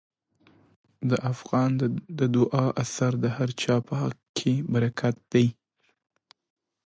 د افغان د دعا اثر د هر چا په حق کې برکت دی.